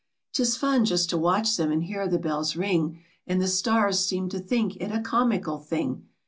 Tis fun just to watch them, and hear the bells ring, And the stars seem to think it a comical thing.